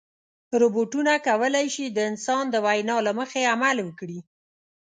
روبوټونه کولی شي د انسان د وینا له مخې عمل وکړي.